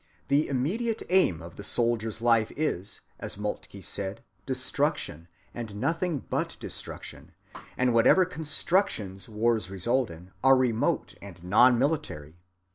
The immediate aim of the soldier's life is, as Moltke said, destruction, and nothing but destruction; and whatever constructions wars result in are remote and non‐ military.